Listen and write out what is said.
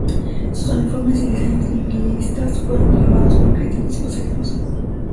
Sus uniformes y diseños simplistas fueron alabados por críticos y pasajeros.